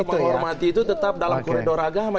justru kita menghormati itu tetap dalam koridor agama